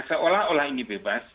seolah olah ini bebas